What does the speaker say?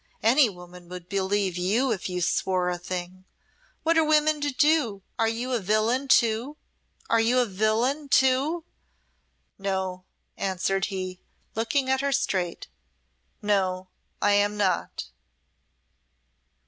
Any woman would believe you if you swore a thing! What are women to do! Are you a villain, too are you a villain, too?" "No," answered he, looking at her straight. "No, I am not."